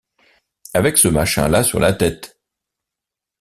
Avec ce machin-là sur la tête